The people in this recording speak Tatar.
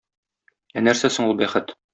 Ә нәрсә соң ул бәхет?